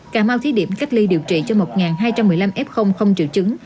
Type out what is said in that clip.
cà mau thí điểm cách ly điều trị cho một hai trăm một mươi năm f không triệu chứng